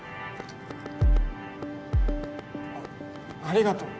あありがとう。